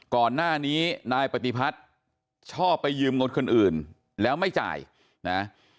ก่อนหน้านี้นายปฏิพัฒน์ชอบไปยืมเงินคนอื่นแล้วไม่จ่ายนะ